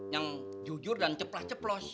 yang jujur dan ceplas ceplos